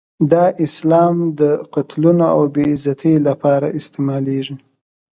دا اسلام د قتلونو او بې عزتۍ لپاره استعمالېږي.